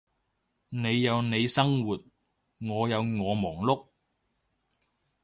你有你生活，我有我忙碌